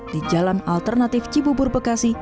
di jalan alternatif cibubur bekasi